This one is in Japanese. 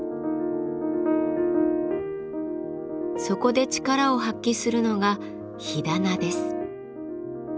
そこで力を発揮するのが火棚です。